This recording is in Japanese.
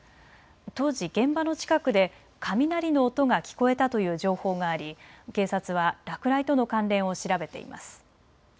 当時、現場の近くで雷の音が聞こえたという情報があり警察は落雷との関連を調べています。